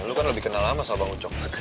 lu kan lebih kenal sama sobong ucok